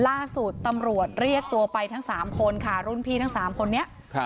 ล่าสุดตำรวจเรียกตัวไปทั้งสามคนค่ะรุ่นพี่ทั้งสามคนนี้ครับ